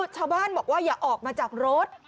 ชาวบ้านบอกว่าอย่าออกมาจากรถ